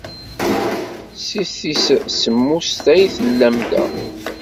Seg tis semmuset ay tellam da.